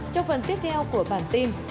chúc phần tiếp theo của bản tin